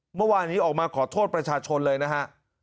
เมื่อวานนี้ออกมาขอโทษประชาชนเลยนะฮะ